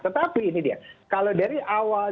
tetapi ini dia kalau dari awal